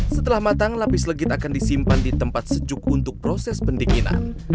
setelah matang lapis legit akan disimpan di tempat sejuk untuk proses pendinginan